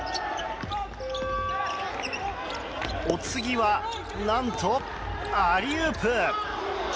お次は、何とアリウープ！